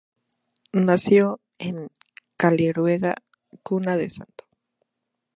Nació en Caleruega, cuna de Sto.